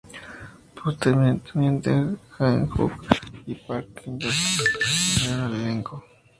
Posteriormente Jang Hyuk y Park Hyung-sik se unieron al elenco.